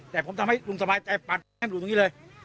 แต่ผมทำให้ลุงสบายใจปัดให้มันดูตรงนี้เลย